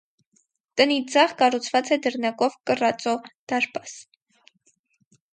Տնից ձախ կառուցված է դռնակով կռածո դարպաս։